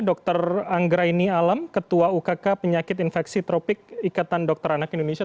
dr anggraini alam ketua ukk penyakit infeksi tropik ikatan dokter anak indonesia